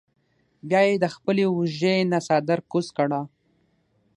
بیا ئې د خپلې اوږې نه څادر کوز کړۀ ـ